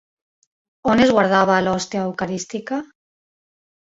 On es guardava l'hòstia eucarística?